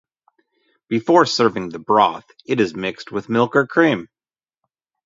Before serving the broth, it is mixed with milk or cream.